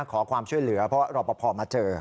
ขอความช่วยเหลือเพราะว่าเราประพอบมาเจอ